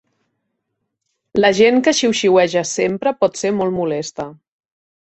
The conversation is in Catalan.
La gent que xiuxiueja sempre pot ser molt molesta